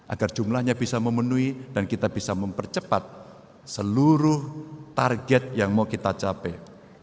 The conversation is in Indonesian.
agar jumlahnya bisa memenuhi dan kita bisa mempercepat seluruh target yang mau kita capai